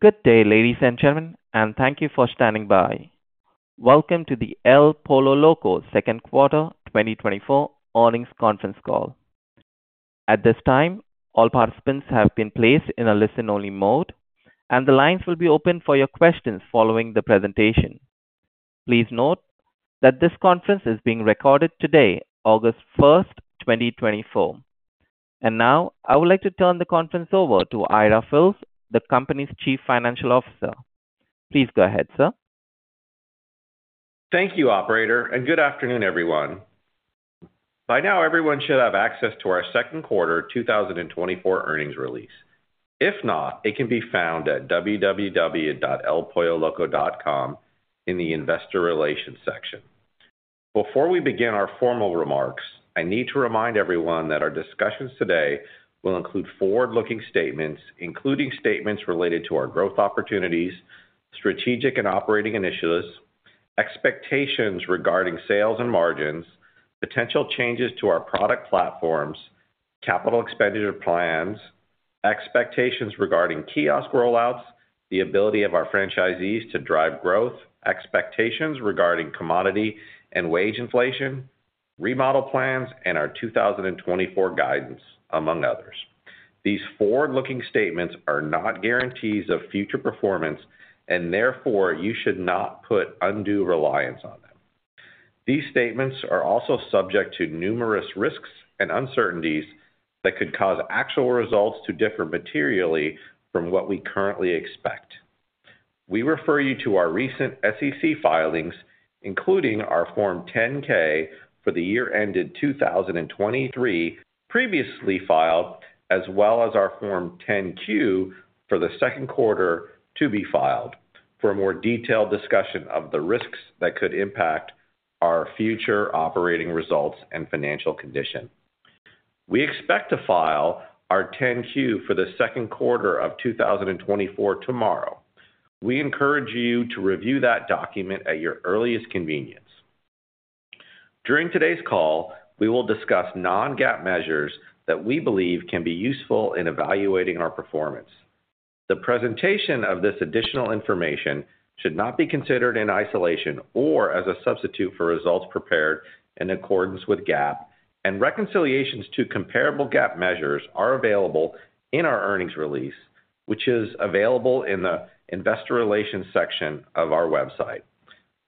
Good day, ladies and gentlemen, and thank you for standing by. Welcome to the El Pollo Loco second quarter 2024 earnings conference call. At this time, all participants have been placed in a listen-only mode, and the lines will be open for your questions following the presentation. Please note that this conference is being recorded today, August 1, 2024. And now I would like to turn the conference over to Ira Fils, the company's Chief Financial Officer. Please go ahead, sir. Thank you, operator, and good afternoon, everyone. By now, everyone should have access to our second quarter 2024 earnings release. If not, it can be found at www.elpolloloco.com in the Investor Relations section. Before we begin our formal remarks, I need to remind everyone that our discussions today will include forward-looking statements, including statements related to our growth opportunities, strategic and operating initiatives, expectations regarding sales and margins, potential changes to our product platforms, capital expenditure plans, expectations regarding kiosk rollouts, the ability of our franchisees to drive growth, expectations regarding commodity and wage inflation, remodel plans, and our 2024 guidance, among others. These forward-looking statements are not guarantees of future performance, and therefore you should not put undue reliance on them. These statements are also subject to numerous risks and uncertainties that could cause actual results to differ materially from what we currently expect. We refer you to our recent SEC filings, including our Form 10-K for the year ended 2023, previously filed, as well as our Form 10-Q for the second quarter to be filed, for a more detailed discussion of the risks that could impact our future operating results and financial condition. We expect to file our 10-Q for the second quarter of 2024 tomorrow. We encourage you to review that document at your earliest convenience. During today's call, we will discuss non-GAAP measures that we believe can be useful in evaluating our performance. The presentation of this additional information should not be considered in isolation or as a substitute for results prepared in accordance with GAAP, and reconciliations to comparable GAAP measures are available in our earnings release, which is available in the Investor Relations section of our website.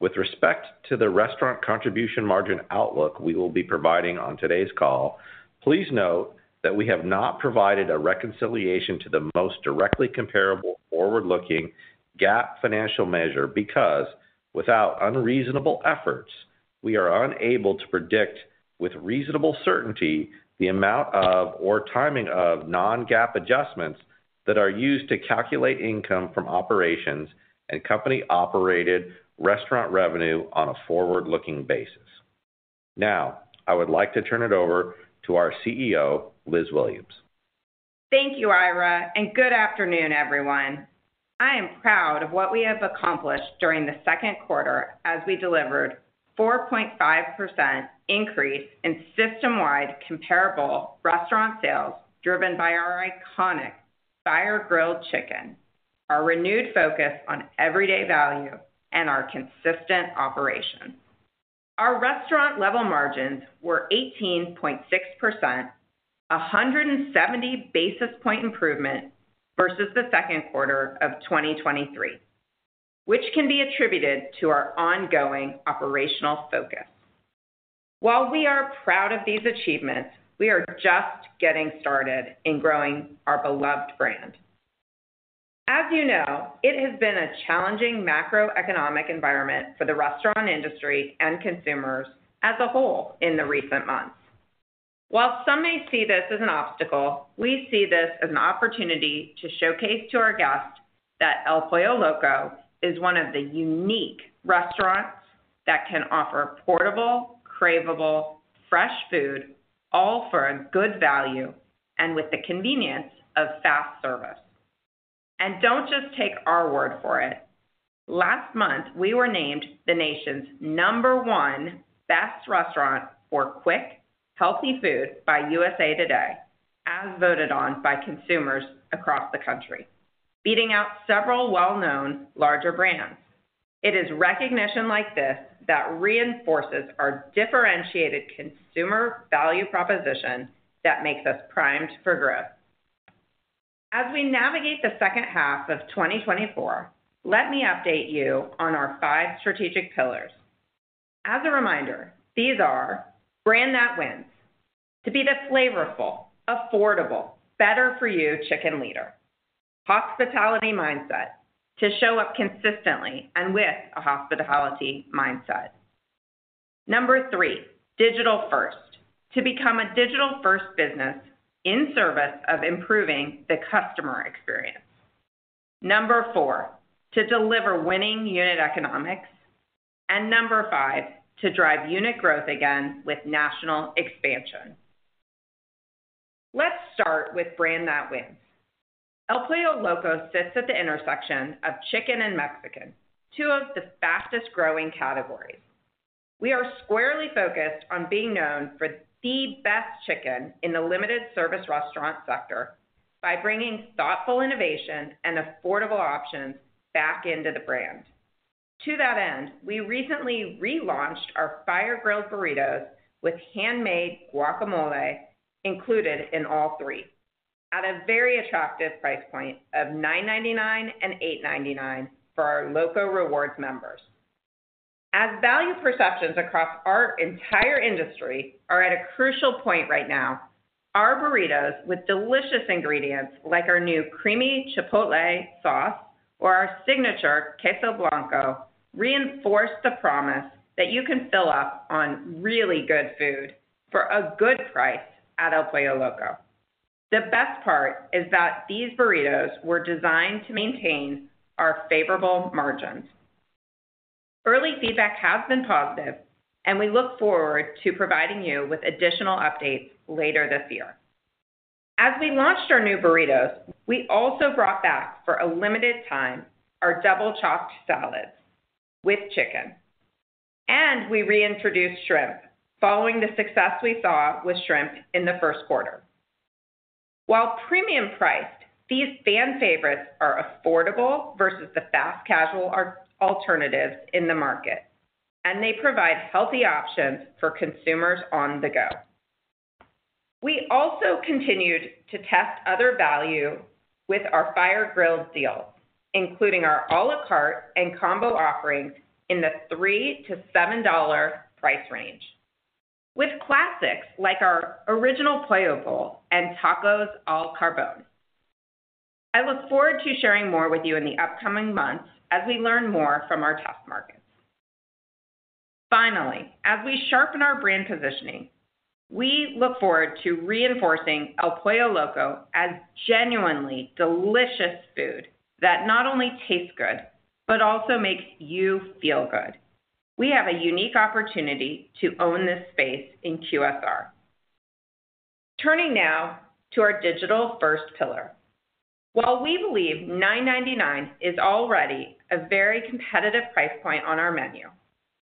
With respect to the restaurant contribution margin outlook we will be providing on today's call, please note that we have not provided a reconciliation to the most directly comparable forward-looking GAAP financial measure because, without unreasonable efforts, we are unable to predict with reasonable certainty the amount of or timing of non-GAAP adjustments that are used to calculate income from operations and company-operated restaurant revenue on a forward-looking basis. Now, I would like to turn it over to our CEO, Liz Williams. Thank you, Ira, and good afternoon, everyone. I am proud of what we have accomplished during the second quarter as we delivered 4.5% increase in system-wide comparable restaurant sales, driven by our iconic fire-grilled chicken, our renewed focus on everyday value, and our consistent operation. Our restaurant level margins were 18.6%, 170 basis point improvement versus the second quarter of 2023, which can be attributed to our ongoing operational focus. While we are proud of these achievements, we are just getting started in growing our beloved brand. As you know, it has been a challenging macroeconomic environment for the restaurant industry and consumers as a whole in the recent months. While some may see this as an obstacle, we see this as an opportunity to showcase to our guests that El Pollo Loco is one of the unique restaurants that can offer portable, craveable, fresh food, all for a good value and with the convenience of fast service. Don't just take our word for it. Last month, we were named the nation's number 1 best restaurant for quick, healthy food by USA Today, as voted on by consumers across the country, beating out several well-known larger brands. It is recognition like this that reinforces our differentiated consumer value proposition that makes us primed for growth. As we navigate the second half of 2024, let me update you on our 5 strategic pillars. As a reminder, these are: brand that wins, to be the flavorful, affordable, better for you chicken leader. Hospitality mindset, to show up consistently and with a hospitality mindset. Number 3, digital first, to become a digital-first business in service of improving the customer experience. Number 4, to deliver winning unit economics. And number 5, to drive unit growth again with national expansion. Let's start with brand that wins. El Pollo Loco sits at the intersection of chicken and Mexican, two of the fastest growing categories.... We are squarely focused on being known for the best chicken in the limited service restaurant sector, by bringing thoughtful innovation and affordable options back into the brand. To that end, we recently relaunched our Fire-Grilled Burritos with handmade guacamole included in all three, at a very attractive price point of $9.99 and $8.99 for our Loco Rewards members. As value perceptions across our entire industry are at a crucial point right now, our burritos with delicious ingredients, like our new Creamy Chipotle Sauce or our signature Queso Blanco, reinforce the promise that you can fill up on really good food for a good price at El Pollo Loco. The best part is that these burritos were designed to maintain our favorable margins. Early feedback has been positive, and we look forward to providing you with additional updates later this year. As we launched our new burritos, we also brought back, for a limited time, our Double Chopped Salads with chicken, and we reintroduced shrimp, following the success we saw with shrimp in the first quarter. While premium priced, these fan favorites are affordable versus the fast casual alternatives in the market, and they provide healthy options for consumers on the go. We also continued to test other value with our fire-grilled deals, including our a la carte and combo offerings in the $3-$7 price range, with classics like our Original Pollo Bowl and Tacos al Carbon. I look forward to sharing more with you in the upcoming months as we learn more from our test markets. Finally, as we sharpen our brand positioning, we look forward to reinforcing El Pollo Loco as genuinely delicious food that not only tastes good, but also makes you feel good. We have a unique opportunity to own this space in QSR. Turning now to our digital first pillar. While we believe $9.99 is already a very competitive price point on our menu,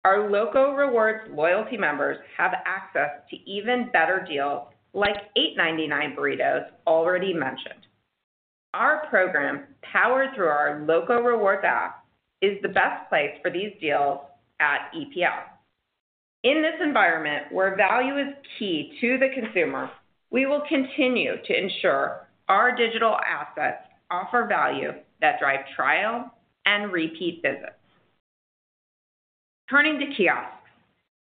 our Loco Rewards loyalty members have access to even better deals, like $8.99 burritos already mentioned. Our program, powered through our Loco Rewards app, is the best place for these deals at EPL. In this environment, where value is key to the consumer, we will continue to ensure our digital assets offer value that drive trial and repeat visits. Turning to kiosks.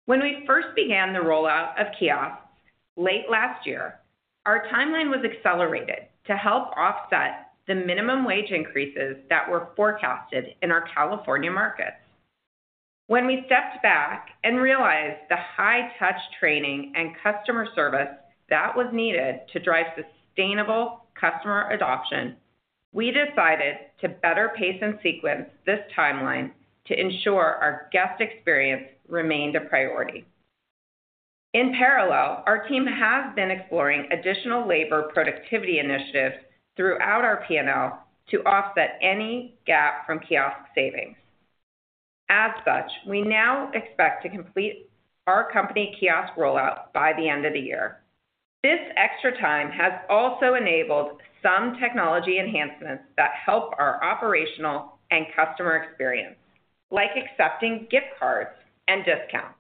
When we first began the rollout of kiosks late last year, our timeline was accelerated to help offset the minimum wage increases that were forecasted in our California markets. When we stepped back and realized the high touch training and customer service that was needed to drive sustainable customer adoption, we decided to better pace and sequence this timeline to ensure our guest experience remained a priority. In parallel, our team has been exploring additional labor productivity initiatives throughout our P&L to offset any gap from kiosk savings. As such, we now expect to complete our company kiosk rollout by the end of the year. This extra time has also enabled some technology enhancements that help our operational and customer experience, like accepting gift cards and discounts.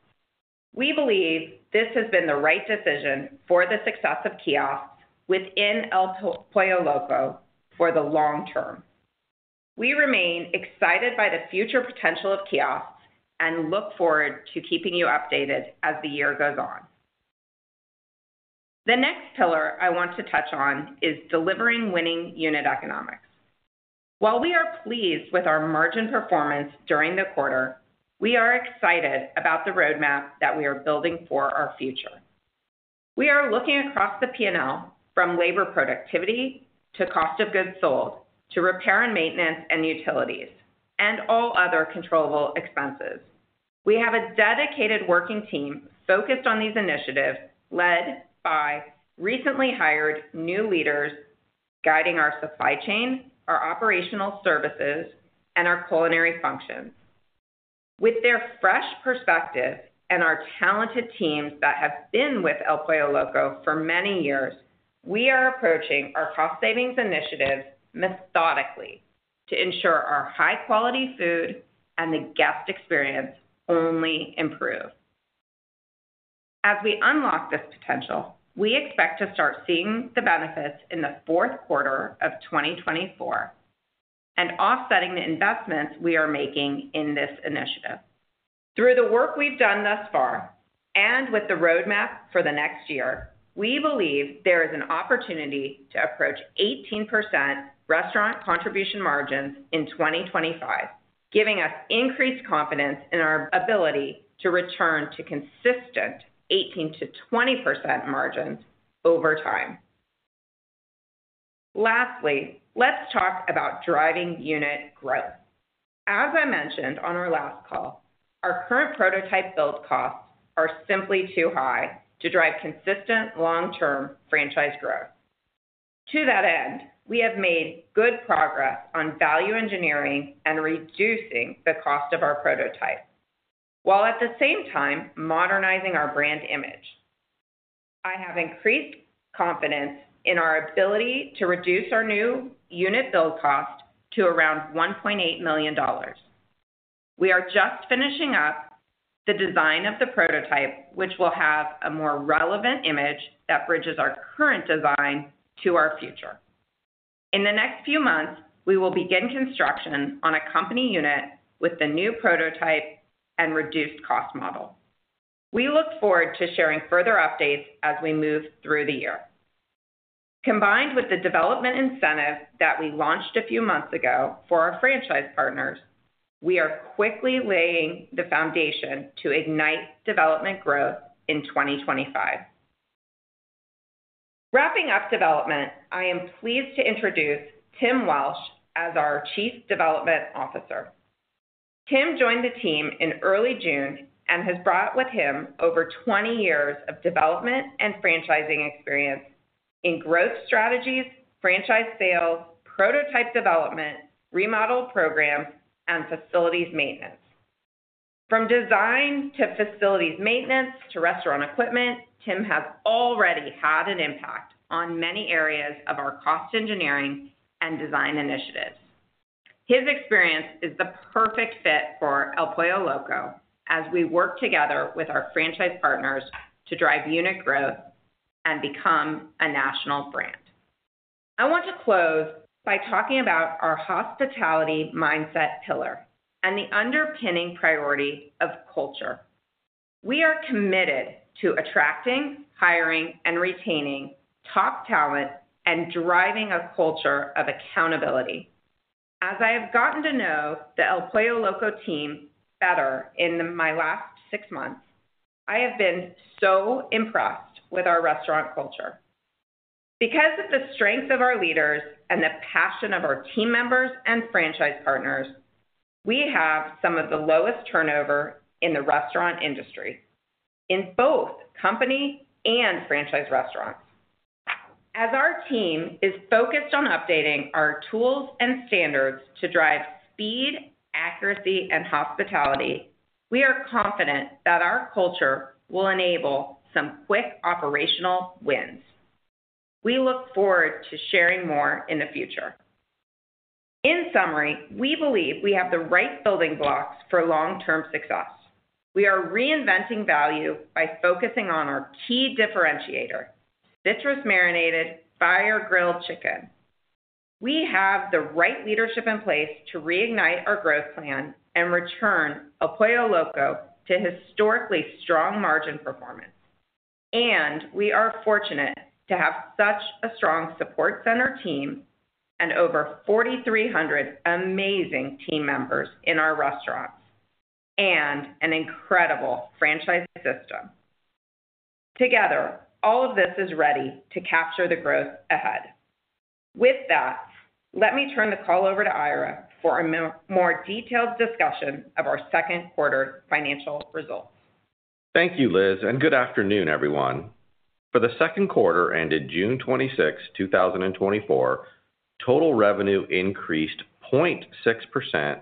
We believe this has been the right decision for the success of kiosks within El Pollo Loco for the long term. We remain excited by the future potential of kiosks and look forward to keeping you updated as the year goes on. The next pillar I want to touch on is delivering winning unit economics. While we are pleased with our margin performance during the quarter, we are excited about the roadmap that we are building for our future. We are looking across the P&L from labor productivity to cost of goods sold, to repair and maintenance and utilities, and all other controllable expenses. We have a dedicated working team focused on these initiatives, led by recently hired new leaders guiding our supply chain, our operational services, and our culinary functions. With their fresh perspective and our talented teams that have been with El Pollo Loco for many years, we are approaching our cost savings initiatives methodically to ensure our high quality food and the guest experience only improve. As we unlock this potential, we expect to start seeing the benefits in the fourth quarter of 2024, and offsetting the investments we are making in this initiative. Through the work we've done thus far, and with the roadmap for the next year, we believe there is an opportunity to approach 18% restaurant contribution margins in 2025, giving us increased confidence in our ability to return to consistent 18%-20% margins over time. Lastly, let's talk about driving unit growth. As I mentioned on our last call, our current prototype build costs are simply too high to drive consistent long-term franchise growth. To that end, we have made good progress on value engineering and reducing the cost of our prototype, while at the same time modernizing our brand image. I have increased confidence in our ability to reduce our new unit build cost to around $1.8 million. We are just finishing up the design of the prototype, which will have a more relevant image that bridges our current design to our future. In the next few months, we will begin construction on a company unit with the new prototype and reduced cost model. We look forward to sharing further updates as we move through the year. Combined with the development incentive that we launched a few months ago for our franchise partners, we are quickly laying the foundation to ignite development growth in 2025. Wrapping up development, I am pleased to introduce Tim Welch as our Chief Development Officer. Tim joined the team in early June and has brought with him over 20 years of development and franchising experience in growth strategies, franchise sales, prototype development, remodel programs, and facilities maintenance. From design to facilities maintenance to restaurant equipment, Tim has already had an impact on many areas of our cost engineering and design initiatives. His experience is the perfect fit for El Pollo Loco as we work together with our franchise partners to drive unit growth and become a national brand. I want to close by talking about our hospitality mindset pillar and the underpinning priority of culture. We are committed to attracting, hiring, and retaining top talent and driving a culture of accountability. As I have gotten to know the El Pollo Loco team better in my last six months, I have been so impressed with our restaurant culture. Because of the strength of our leaders and the passion of our team members and franchise partners, we have some of the lowest turnover in the restaurant industry, in both company and franchise restaurants. As our team is focused on updating our tools and standards to drive speed, accuracy, and hospitality, we are confident that our culture will enable some quick operational wins. We look forward to sharing more in the future. In summary, we believe we have the right building blocks for long-term success. We are reinventing value by focusing on our key differentiator, citrus-marinated fire-grilled chicken. We have the right leadership in place to reignite our growth plan and return El Pollo Loco to historically strong margin performance. We are fortunate to have such a strong support center team and over 4,300 amazing team members in our restaurants, and an incredible franchise system. Together, all of this is ready to capture the growth ahead. With that, let me turn the call over to Ira for a more detailed discussion of our second quarter financial results. Thank you, Liz, and good afternoon, everyone. For the second quarter ended June 26, 2024, total revenue increased 0.6%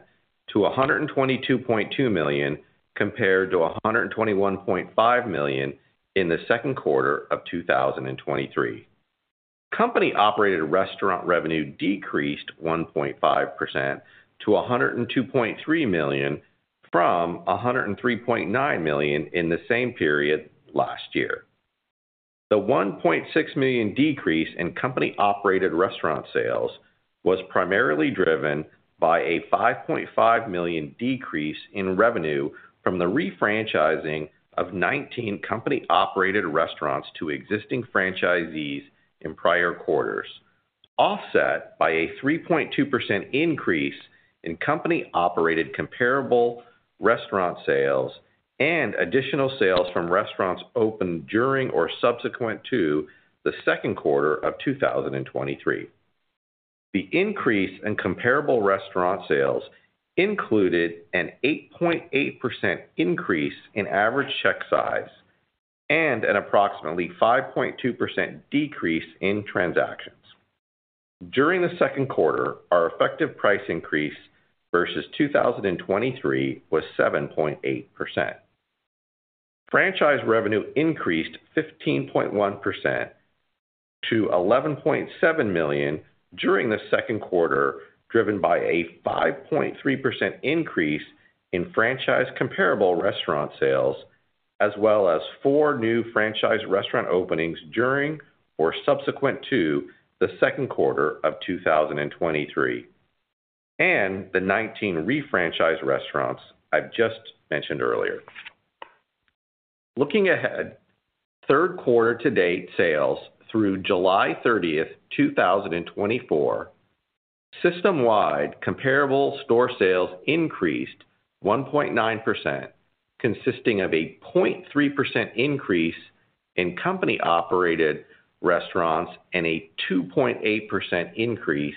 to $122.2 million, compared to $121.5 million in the second quarter of 2023. Company-operated restaurant revenue decreased 1.5% to $102.3 million, from $103.9 million in the same period last year. The $1.6 million decrease in company-operated restaurant sales was primarily driven by a $5.5 million decrease in revenue from the refranchising of 19 company-operated restaurants to existing franchisees in prior quarters, offset by a 3.2% increase in company-operated comparable restaurant sales and additional sales from restaurants opened during or subsequent to the second quarter of 2023. The increase in comparable restaurant sales included an 8.8% increase in average check size and an approximately 5.2% decrease in transactions. During the second quarter, our effective price increase versus 2023 was 7.8%. Franchise revenue increased 15.1% to $11.7 million during the second quarter, driven by a 5.3% increase in franchise comparable restaurant sales, as well as 4 new franchise restaurant openings during or subsequent to the second quarter of 2023, and the 19 refranchised restaurants I've just mentioned earlier. Looking ahead, third quarter to date sales through July 30, 2024, system-wide comparable store sales increased 1.9%, consisting of a 0.3% increase in company-operated restaurants and a 2.8% increase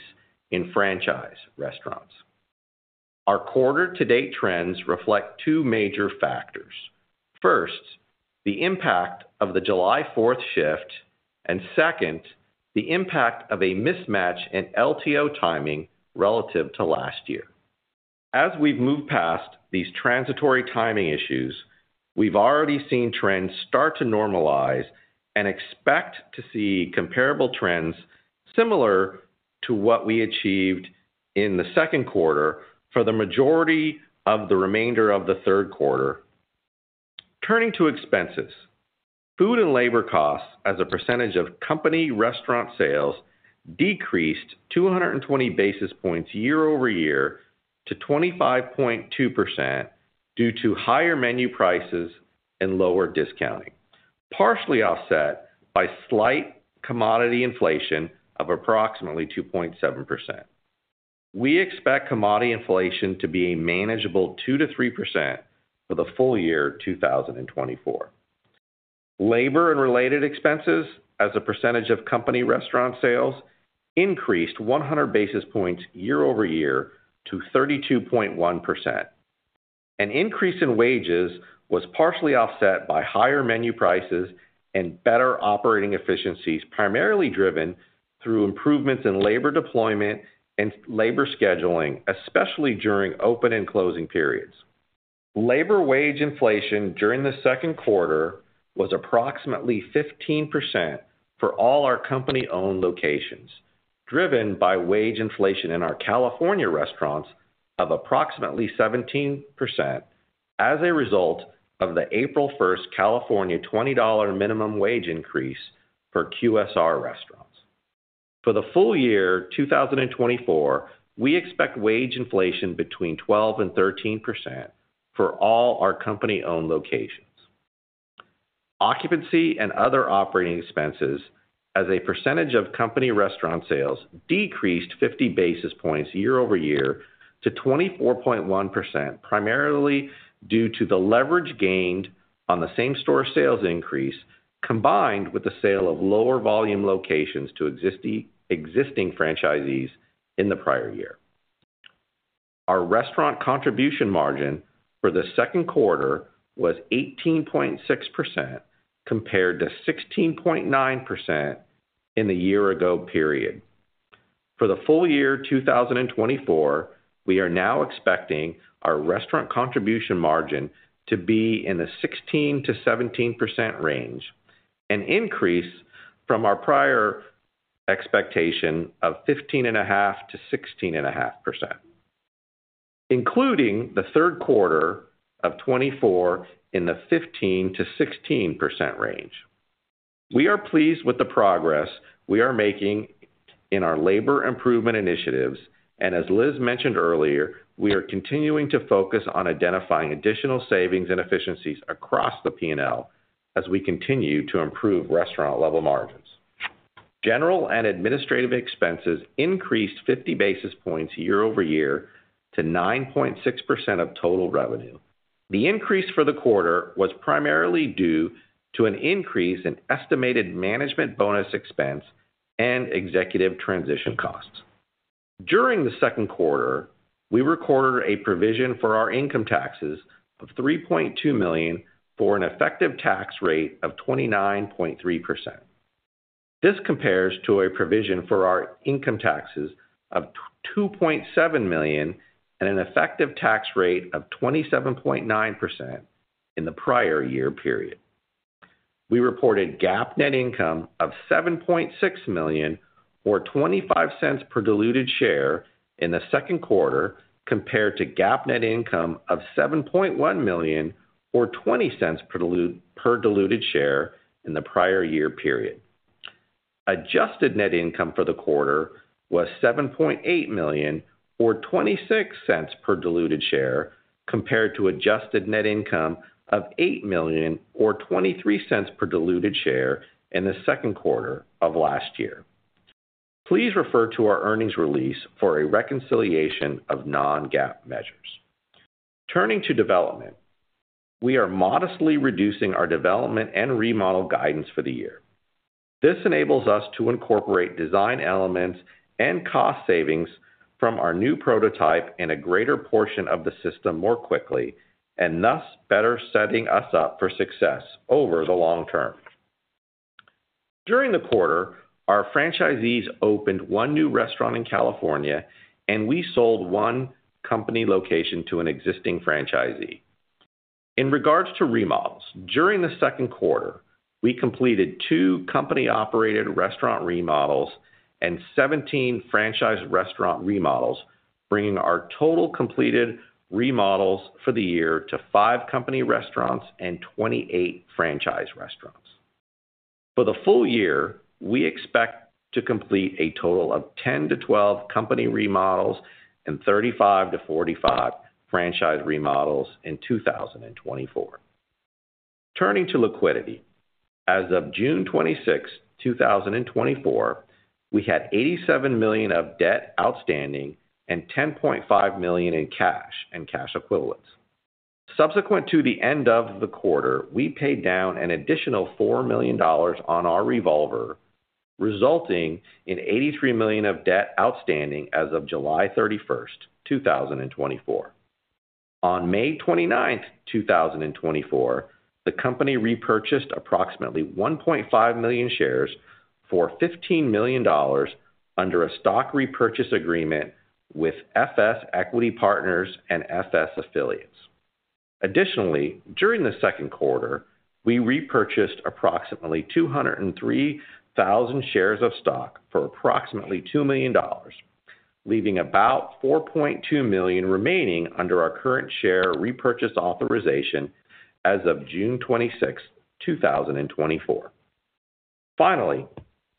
in franchise restaurants. Our quarter-to-date trends reflect two major factors. First, the impact of the July Fourth shift, and second, the impact of a mismatch in LTO timing relative to last year. As we've moved past these transitory timing issues, we've already seen trends start to normalize and expect to see comparable trends similar to what we achieved in the second quarter for the majority of the remainder of the third quarter. Turning to expenses. Food and labor costs as a percentage of company restaurant sales decreased 200 basis points year-over-year to 25.2% due to higher menu prices and lower discounting, partially offset by slight commodity inflation of approximately 2.7%. We expect commodity inflation to be a manageable 2%-3% for the full year 2024. Labor and related expenses as a percentage of company restaurant sales increased 100 basis points year-over-year to 32.1%. An increase in wages was partially offset by higher menu prices and better operating efficiencies, primarily driven through improvements in labor deployment and labor scheduling, especially during open and closing periods. Labor wage inflation during the second quarter was approximately 15% for all our company-owned locations, driven by wage inflation in our California restaurants of approximately 17% as a result of the April 1 California $20 minimum wage increase for QSR restaurants. For the full year 2024, we expect wage inflation between 12% and 13% for all our company-owned locations. Occupancy and other operating expenses as a percentage of company restaurant sales decreased 50 basis points year-over-year to 24.1%, primarily due to the leverage gained on the same-store sales increase, combined with the sale of lower volume locations to existing franchisees in the prior year. Our restaurant contribution margin for the second quarter was 18.6%, compared to 16.9% in the year-ago period. For the full year 2024, we are now expecting our restaurant contribution margin to be in the 16%-17% range, an increase from our prior expectation of 15.5%-16.5%, including the third quarter of 2024 in the 15%-16% range. We are pleased with the progress we are making in our labor improvement initiatives, and as Liz mentioned earlier, we are continuing to focus on identifying additional savings and efficiencies across the P&L as we continue to improve restaurant-level margins. General and administrative expenses increased 50 basis points year over year to 9.6% of total revenue. The increase for the quarter was primarily due to an increase in estimated management bonus expense and executive transition costs. During the second quarter, we recorded a provision for our income taxes of $3.2 million, for an effective tax rate of 29.3%. This compares to a provision for our income taxes of two point seven million and an effective tax rate of 27.9% in the prior year period. We reported GAAP net income of $7.6 million, or $0.25 per diluted share in the second quarter, compared to GAAP net income of $7.1 million, or $0.20 per diluted share in the prior year period. Adjusted net income for the quarter was $7.8 million, or $0.26 per diluted share, compared to adjusted net income of $8 million or $0.23 per diluted share in the second quarter of last year. Please refer to our earnings release for a reconciliation of non-GAAP measures. Turning to development. We are modestly reducing our development and remodel guidance for the year. This enables us to incorporate design elements and cost savings from our new prototype in a greater portion of the system more quickly, and thus better setting us up for success over the long term. During the quarter, our franchisees opened 1 new restaurant in California, and we sold 1 company location to an existing franchisee. In regards to remodels, during the second quarter, we completed 2 company-operated restaurant remodels and 17 franchise restaurant remodels, bringing our total completed remodels for the year to 5 company restaurants and 28 franchise restaurants. For the full year, we expect to complete a total of 10-12 company remodels and 35-45 franchise remodels in 2024. Turning to liquidity. As of June 26, 2024, we had $87 million of debt outstanding and $10.5 million in cash and cash equivalents.... subsequent to the end of the quarter, we paid down an additional $4 million on our revolver, resulting in $83 million of debt outstanding as of July 31, 2024. On May 29, 2024, the company repurchased approximately 1.5 million shares for $15 million under a stock repurchase agreement with FS Equity Partners and FS Affiliates. Additionally, during the second quarter, we repurchased approximately 203,000 shares of stock for approximately $2 million, leaving about 4.2 million remaining under our current share repurchase authorization as of June 26, 2024. Finally,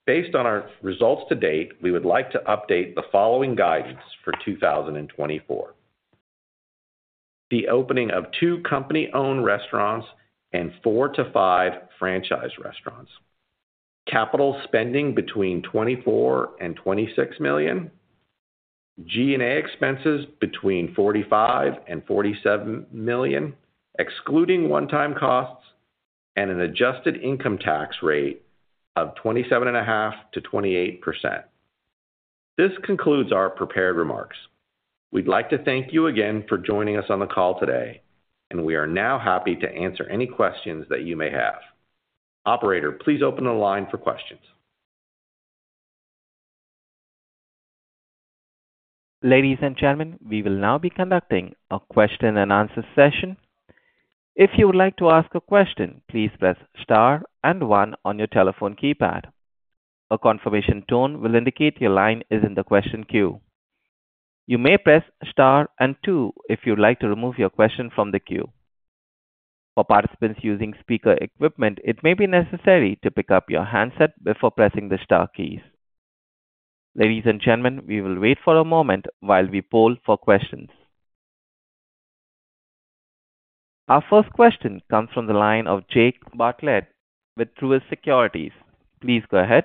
based on our results to date, we would like to update the following guidance for 2024. The opening of 2 company-owned restaurants and 4-5 franchise restaurants, capital spending between $24 million-$26 million, G&A expenses between $45 million-$47 million, excluding one-time costs, and an adjusted income tax rate of 27.5%-28%. This concludes our prepared remarks. We'd like to thank you again for joining us on the call today, and we are now happy to answer any questions that you may have. Operator, please open the line for questions. Ladies and gentlemen, we will now be conducting a question and answer session. If you would like to ask a question, please press star and one on your telephone keypad. A confirmation tone will indicate your line is in the question queue. You may press star and two if you'd like to remove your question from the queue. For participants using speaker equipment, it may be necessary to pick up your handset before pressing the star keys. Ladies and gentlemen, we will wait for a moment while we poll for questions. Our first question comes from the line of Jake Bartlett with Truist Securities. Please go ahead.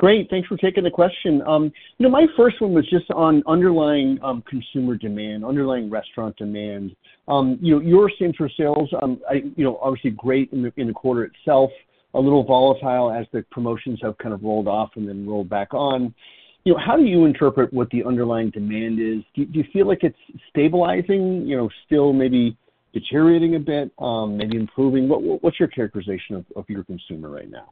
Great, thanks for taking the question. You know, my first one was just on underlying consumer demand, underlying restaurant demand. You know, your same-store sales, you know, obviously great in the quarter itself, a little volatile as the promotions have kind of rolled off and then rolled back on. You know, how do you interpret what the underlying demand is? Do you feel like it's stabilizing, you know, still maybe deteriorating a bit, maybe improving? What's your characterization of your consumer right now?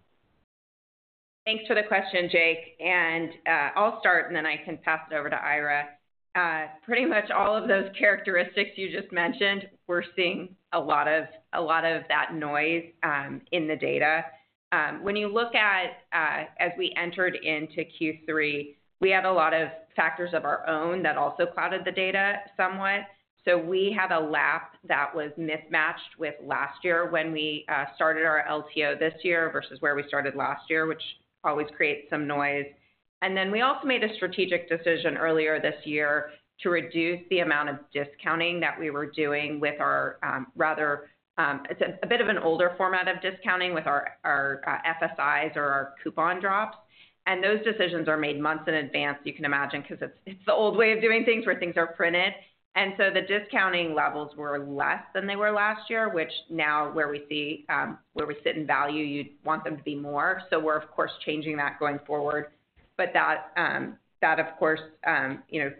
Thanks for the question, Jake. And, I'll start, and then I can pass it over to Ira. Pretty much all of those characteristics you just mentioned, we're seeing a lot of, a lot of that noise, in the data. When you look at, as we entered into Q3, we had a lot of factors of our own that also clouded the data somewhat. So we had a lap that was mismatched with last year when we, started our LTO this year versus where we started last year, which always creates some noise. And then we also made a strategic decision earlier this year to reduce the amount of discounting that we were doing with our, rather, it's a, a bit of an older format of discounting with our, our, FSIs or our coupon drops. And those decisions are made months in advance, you can imagine, because it's the old way of doing things, where things are printed. And so the discounting levels were less than they were last year, which now where we see, where we sit in value, you'd want them to be more. So we're, of course, changing that going forward. But that, of course, you know,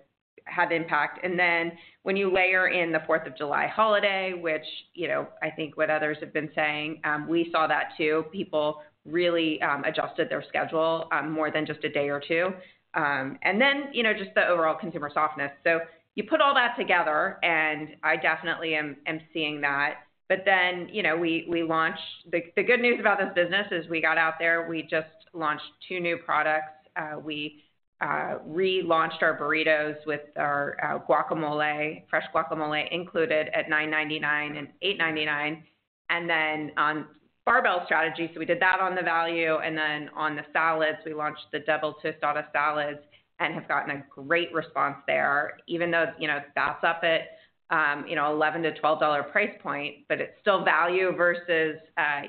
had impact. And then when you layer in the Fourth of July holiday, which, you know, I think what others have been saying, we saw that, too. People really adjusted their schedule more than just a day or two. And then, you know, just the overall consumer softness. So you put all that together, and I definitely am seeing that. But then, you know, we launched. The good news about this business is we got out there, we just launched two new products. We relaunched our burritos with our guacamole, fresh guacamole included at $9.99 and $8.99, and then on barbell strategy. So we did that on the value, and then on the salads, we launched the Double Tostada Salads and have gotten a great response there, even though, you know, that's up at, you know, $11-$12 price point, but it's still value versus,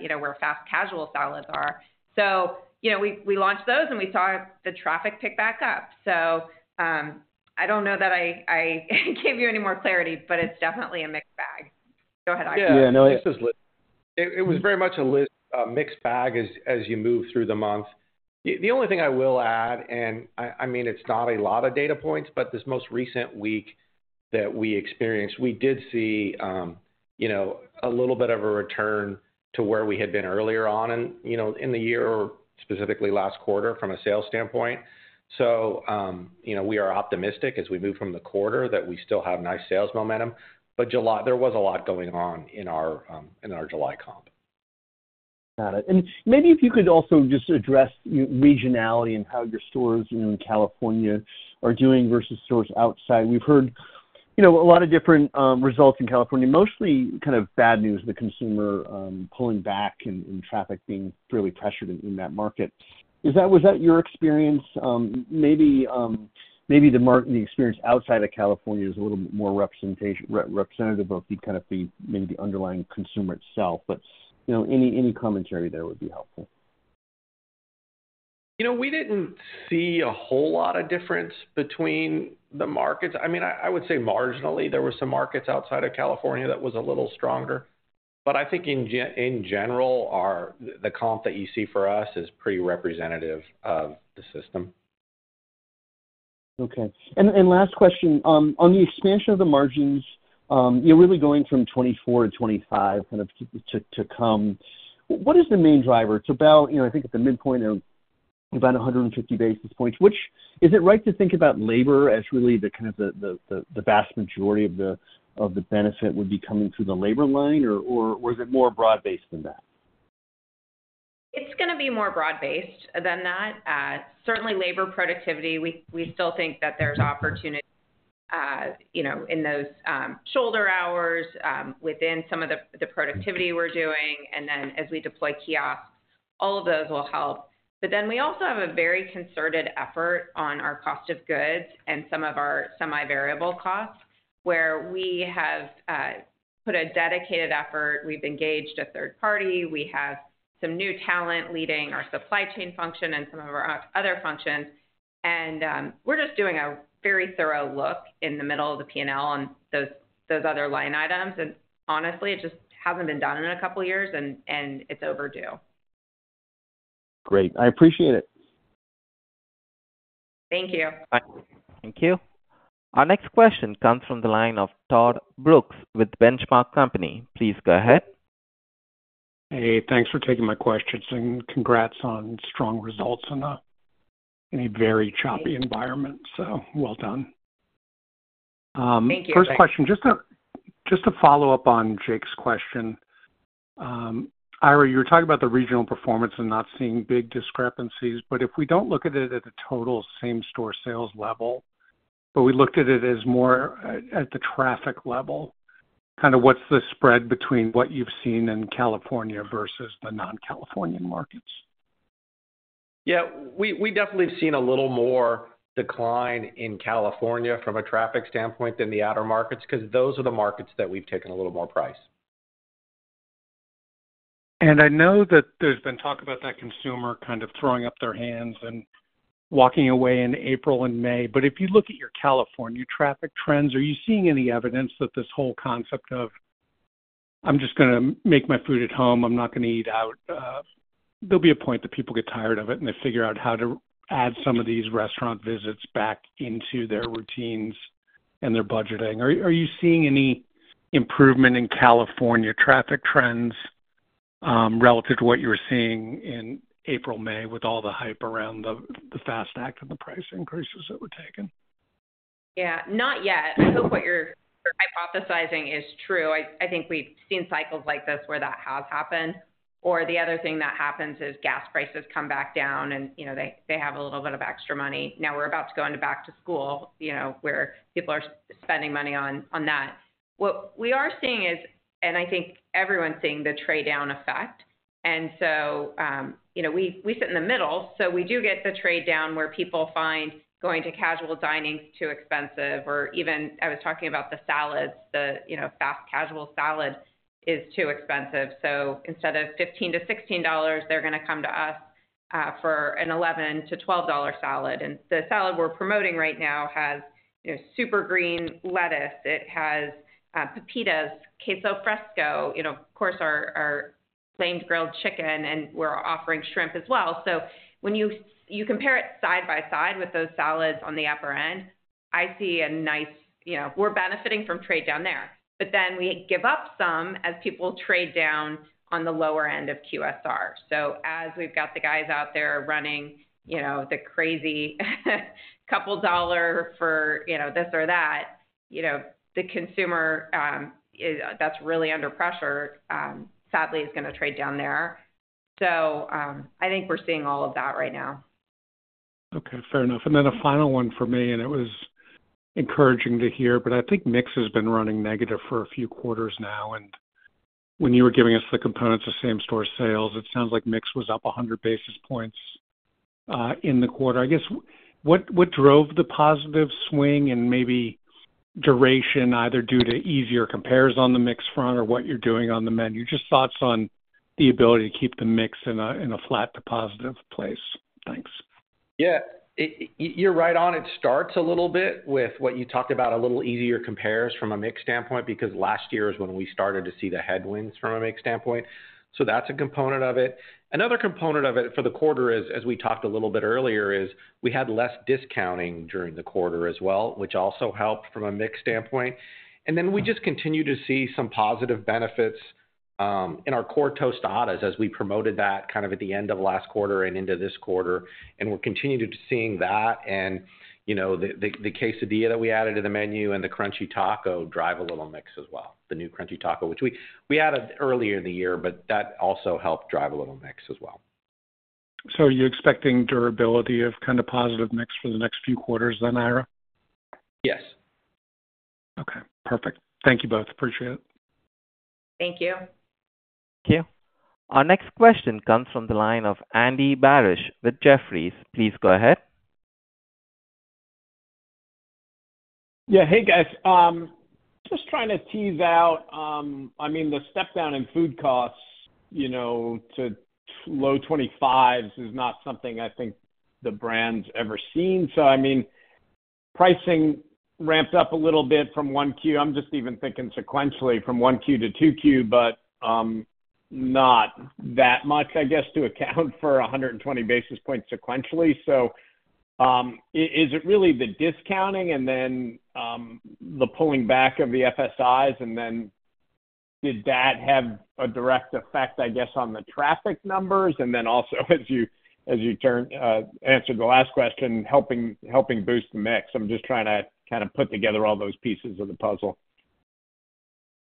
you know, where fast casual salads are. So, you know, we launched those, and we saw the traffic pick back up. So, I don't know that I gave you any more clarity, but it's definitely a mixed bag. Go ahead, Ira. Yeah, yeah, no, this is- Yeah. It was very much a mixed bag as you move through the month. The only thing I will add, and I mean, it's not a lot of data points, but this most recent week that we experienced, we did see, you know, a little bit of a return to where we had been earlier on in, you know, in the year or specifically last quarter from a sales standpoint. So, you know, we are optimistic as we move from the quarter that we still have nice sales momentum. But July, there was a lot going on in our July comp. Got it. And maybe if you could also just address regionality and how your stores, you know, in California are doing versus stores outside. We've heard, you know, a lot of different results in California, mostly kind of bad news, the consumer pulling back and traffic being really pressured in that market. Is that, was that your experience? Maybe the experience outside of California is a little bit more representative of the kind of the, maybe the underlying consumer itself. But, you know, any commentary there would be helpful.... You know, we didn't see a whole lot of difference between the markets. I mean, I would say marginally, there were some markets outside of California that was a little stronger. But I think in general, our comp that you see for us is pretty representative of the system. Okay. Last question on the expansion of the margins. You're really going from 24 to 25, kind of, to come. What is the main driver? It's about, you know, I think at the midpoint of about 150 basis points, which is it right to think about labor as really the, kind of, the vast majority of the benefit would be coming through the labor line, or was it more broad-based than that? It's gonna be more broad-based than that. Certainly labor productivity, we still think that there's opportunity, you know, in those shoulder hours within some of the productivity we're doing, and then as we deploy kiosks, all of those will help. But then we also have a very concerted effort on our cost of goods and some of our semi-variable costs, where we have put a dedicated effort. We've engaged a third party. We have some new talent leading our supply chain function and some of our other functions. And we're just doing a very thorough look in the middle of the P&L on those other line items. And honestly, it just hasn't been done in a couple of years, and it's overdue. Great. I appreciate it. Thank you. Bye. Thank you. Our next question comes from the line of Todd Brooks with Benchmark Company. Please go ahead. Hey, thanks for taking my questions, and congrats on strong results in a very choppy environment. So well done. Thank you. First question, just to follow up on Jake's question. Ira, you were talking about the regional performance and not seeing big discrepancies, but if we don't look at it at the total same store sales level, but we looked at it as more at the traffic level, kind of what's the spread between what you've seen in California versus the non-California markets? Yeah, we definitely have seen a little more decline in California from a traffic standpoint than the outer markets, 'cause those are the markets that we've taken a little more price. I know that there's been talk about that consumer kind of throwing up their hands and walking away in April and May, but if you look at your California traffic trends, are you seeing any evidence that this whole concept of, "I'm just gonna make my food at home, I'm not gonna eat out," there'll be a point that people get tired of it, and they figure out how to add some of these restaurant visits back into their routines and their budgeting. Are you seeing any improvement in California traffic trends, relative to what you were seeing in April, May, with all the hype around the FAST Act and the price increases that were taken? Yeah, not yet. I hope what you're hypothesizing is true. I, I think we've seen cycles like this where that has happened, or the other thing that happens is gas prices come back down, and, you know, they, they have a little bit of extra money. Now, we're about to go into back to school, you know, where people are spending money on, on that. What we are seeing is, and I think everyone's seeing, the trade down effect. And so, you know, we, we sit in the middle, so we do get the trade down, where people find going to casual dining is too expensive, or even I was talking about the salads, the, you know, fast casual salad is too expensive. So instead of $15-$16, they're gonna come to us, for an $11-$12 salad. And the salad we're promoting right now has, you know, super green lettuce. It has, pepitas, queso fresco, you know, of course, our flame-grilled chicken, and we're offering shrimp as well. So when you compare it side by side with those salads on the upper end, I see a nice... You know, we're benefiting from trade down there. But then we give up some as people trade down on the lower end of QSR. So as we've got the guys out there running, you know, the crazy couple dollar for, you know, this or that, you know, the consumer, that's really under pressure, sadly, is gonna trade down there. So, I think we're seeing all of that right now. Okay, fair enough. And then a final one for me, and it was encouraging to hear, but I think mix has been running negative for a few quarters now, and when you were giving us the components of same-store sales, it sounds like mix was up 100 basis points in the quarter. I guess, what, what drove the positive swing and maybe duration, either due to easier compares on the mix front or what you're doing on the menu? Just thoughts on the ability to keep the mix in a, in a flat to positive place. Thanks. Yeah. You're right on. It starts a little bit with what you talked about, a little easier compares from a mix standpoint, because last year is when we started to see the headwinds from a mix standpoint. So that's a component of it. Another component of it for the quarter is, as we talked a little bit earlier, is we had less discounting during the quarter as well, which also helped from a mix standpoint. And then we just continue to see some positive benefits in our core tostadas as we promoted that kind of at the end of last quarter and into this quarter. And we're continuing to seeing that and, you know, the quesadilla that we added to the menu and the Crunchy Taco drive a little mix as well. The new Crunchy Taco, which we added earlier in the year, but that also helped drive a little mix as well. Are you expecting durability of kind of positive mix for the next few quarters then, Ira? Yes. Okay, perfect. Thank you both. Appreciate it. Thank you. Thank you. Our next question comes from the line of Andy Barish with Jefferies. Please go ahead.... Yeah. Hey, guys. Just trying to tease out, I mean, the step down in food costs, you know, to low 25s is not something I think the brand's ever seen. So I mean, pricing ramped up a little bit from 1Q. I'm just even thinking sequentially from 1Q to 2Q, but not that much, I guess, to account for 120 basis points sequentially. So, is it really the discounting and then the pulling back of the FSIs, and then did that have a direct effect, I guess, on the traffic numbers? And then also, as you turn answered the last question, helping boost the mix. I'm just trying to kind of put together all those pieces of the puzzle.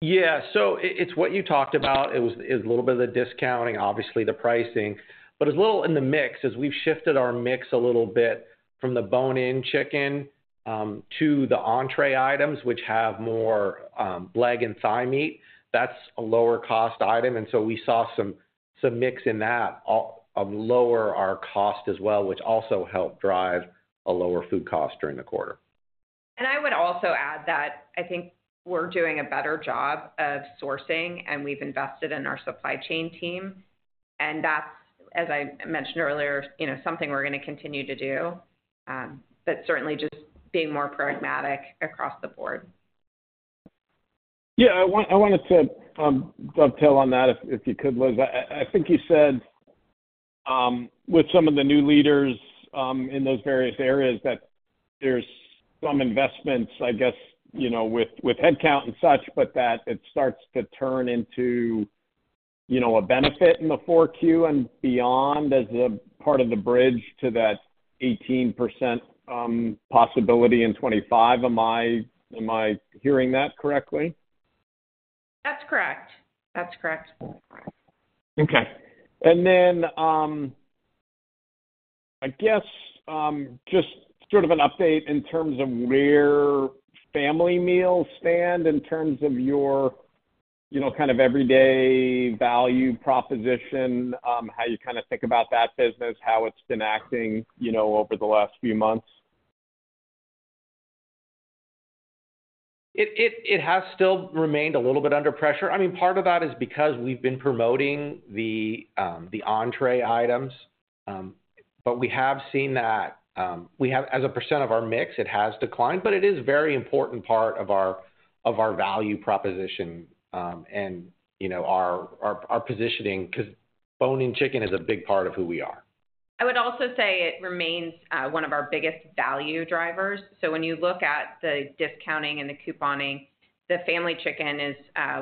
Yeah. So it's what you talked about. It was, it's a little bit of the discounting, obviously, the pricing, but it's a little in the mix. As we've shifted our mix a little bit from the bone-in chicken to the entree items, which have more leg and thigh meat, that's a lower cost item, and so we saw some mix in that, also lower our cost as well, which also helped drive a lower food cost during the quarter. I would also add that I think we're doing a better job of sourcing, and we've invested in our supply chain team, and that's, as I mentioned earlier, you know, something we're gonna continue to do. But certainly just being more pragmatic across the board. Yeah, I wanted to dovetail on that if you could, Liz. I think you said with some of the new leaders in those various areas that there's some investments, I guess, you know, with headcount and such, but that it starts to turn into, you know, a benefit in the 4Q and beyond, as a part of the bridge to that 18% possibility in 25. Am I hearing that correctly? That's correct. That's correct. Okay. And then, I guess, just sort of an update in terms of where family meals stand, in terms of your, you know, kind of everyday value proposition, how you kind of think about that business, how it's been acting, you know, over the last few months. It has still remained a little bit under pressure. I mean, part of that is because we've been promoting the entree items. But we have seen that as a percent of our mix, it has declined, but it is very important part of our value proposition, and, you know, our positioning, because bone-in chicken is a big part of who we are. I would also say it remains one of our biggest value drivers. So when you look at the discounting and the couponing, the family chicken is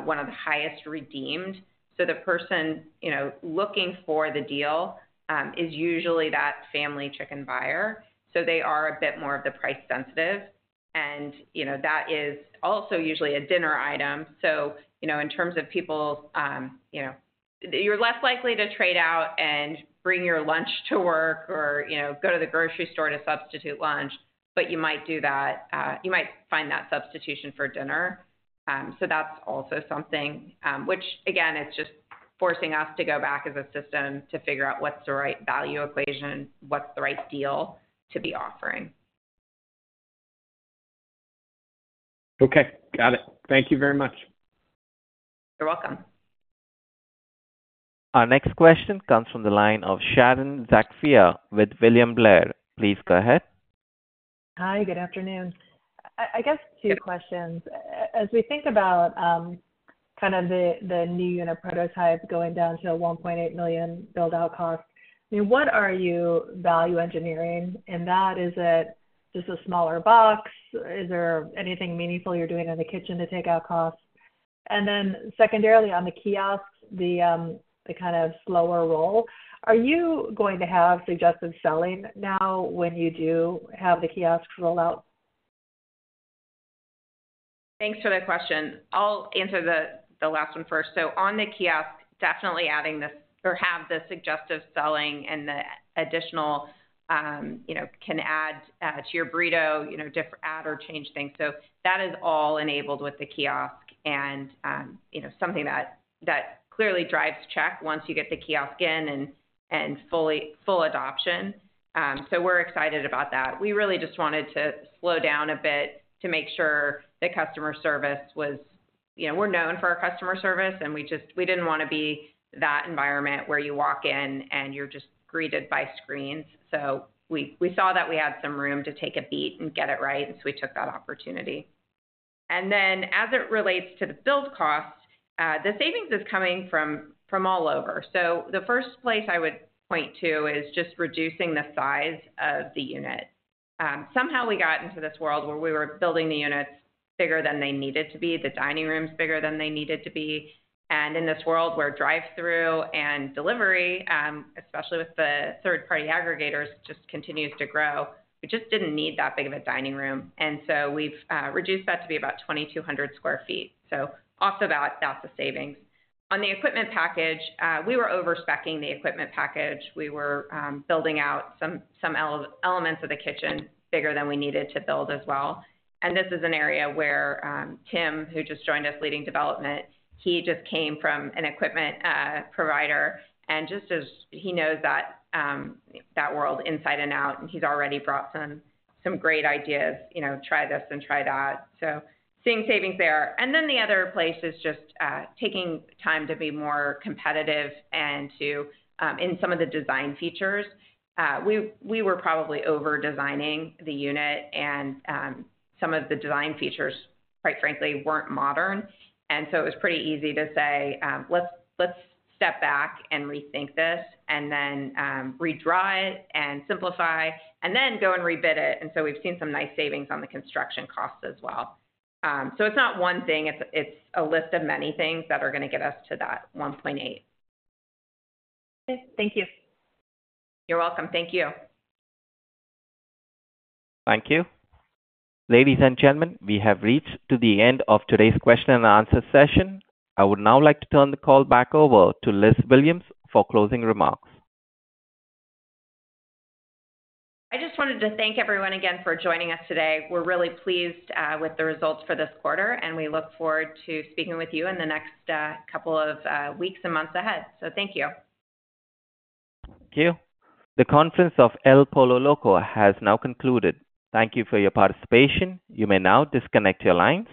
one of the highest redeemed. So the person, you know, looking for the deal, is usually that family chicken buyer. So they are a bit more of the price sensitive. And, you know, that is also usually a dinner item. So, you know, in terms of people, you know, you're less likely to trade out and bring your lunch to work or, you know, go to the grocery store to substitute lunch, but you might do that, you might find that substitution for dinner. So that's also something, which again, is just forcing us to go back as a system to figure out what's the right value equation, what's the right deal to be offering. Okay, got it. Thank you very much. You're welcome. Our next question comes from the line of Sharon Zackfia with William Blair. Please go ahead. Hi, good afternoon. I guess two questions. As we think about kind of the new unit prototype going down to a $1.8 million build out cost, I mean, what are you value engineering? And that, is it just a smaller box? Is there anything meaningful you're doing in the kitchen to take out costs? And then secondarily, on the kiosks, the kind of slower roll, are you going to have suggestive selling now when you do have the kiosks roll out? Thanks for the question. I'll answer the last one first. So on the kiosk, definitely have the suggestive selling and the additional, you know, can add to your burrito, you know, add or change things. So that is all enabled with the kiosk and, you know, something that clearly drives check once you get the kiosk in and full adoption. So we're excited about that. We really just wanted to slow down a bit to make sure the customer service was... You know, we're known for our customer service, and we just we didn't wanna be that environment where you walk in, and you're just greeted by screens. So we saw that we had some room to take a beat and get it right, so we took that opportunity. Then, as it relates to the build cost, the savings is coming from all over. So the first place I would point to is just reducing the size of the unit. Somehow we got into this world where we were building the units bigger than they needed to be, the dining rooms bigger than they needed to be. And in this world, where drive-through and delivery, especially with the third-party aggregators, just continues to grow, we just didn't need that big of a dining room. And so we've reduced that to be about 2,200 sq ft. So off the bat, that's a savings. On the equipment package, we were overspeccing the equipment package. We were building out some elements of the kitchen bigger than we needed to build as well. And this is an area where, Tim, who just joined us, leading development, he just came from an equipment provider, and just as he knows that, that world inside and out, and he's already brought some great ideas, you know, try this and try that. So seeing savings there. And then the other place is just, taking time to be more competitive and to, in some of the design features. We were probably overdesigning the unit and, some of the design features, quite frankly, weren't modern. And so it was pretty easy to say, "Let's step back and rethink this, and then, redraw it and simplify, and then go and rebid it." And so we've seen some nice savings on the construction costs as well. So it's not one thing. It's a list of many things that are gonna get us to that 1.8. Okay, thank you. You're welcome. Thank you. Thank you. Ladies and gentlemen, we have reached the end of today's question and answer session. I would now like to turn the call back over to Liz Williams for closing remarks. I just wanted to thank everyone again for joining us today. We're really pleased with the results for this quarter, and we look forward to speaking with you in the next couple of weeks and months ahead. So thank you. Thank you. The conference of El Pollo Loco has now concluded. Thank you for your participation. You may now disconnect your lines.